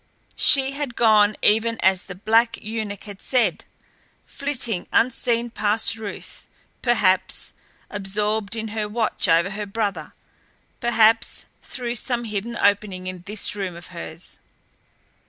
She had gone even as the black eunuch had said; flitting unseen past Ruth, perhaps, absorbed in her watch over her brother; perhaps through some hidden opening in this room of hers.